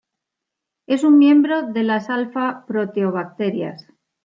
Es un miembro de las alfa proteobacterias.